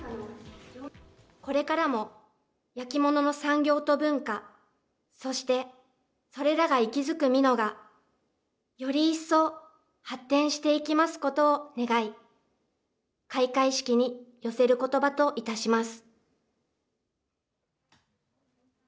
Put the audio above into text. これからも焼き物の産業と文化、そしてそれらが息づく美濃がより一層発展していきますことを願い、開会式に寄せることばといたします。